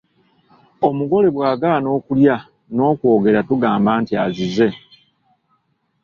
Omugole bw’agaana okulya n’okwogera tugamba nti azize.